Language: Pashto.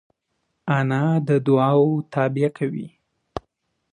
انا د دعاوو تابیا کوي